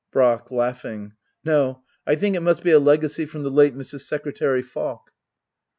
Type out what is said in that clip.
Brack. No, I think it must be a legacy from the late Mrs. Secretary Falk.